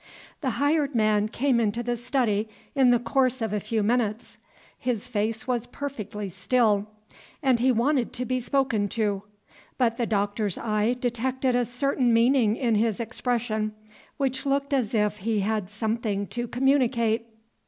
The hired man came into the study in the course of a few minutes. His face was perfectly still, and he waited to be spoken to; but the Doctor's eye detected a certain meaning in his expression, which looked as if he had something to communicate.